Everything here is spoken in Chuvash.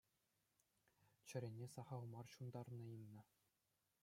Чӗрене сахал мар ҫунтарнӑ Инна.